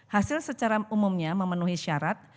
hasil secara umumnya memenuhi syarat